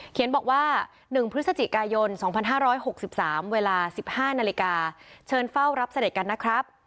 บอกว่า๑พฤศจิกายน๒๕๖๓เวลา๑๕นาฬิกาเชิญเฝ้ารับเสด็จกันนะครับ